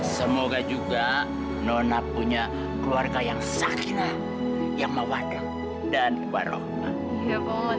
semoga juga nona punya keluarga yang sakina yang mewadang dan warohmat